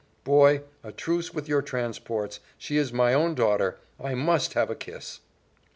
Boy, a truce with your transports! She is my own daughter I must have a kiss."